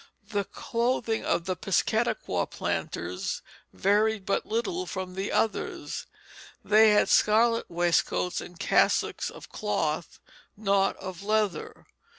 The clothing of the Piscataquay planters varied but little from the others. They had scarlet waistcoats and cassocks of cloth, not of leather.